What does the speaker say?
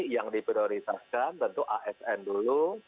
yang diprioritaskan tentu asn dulu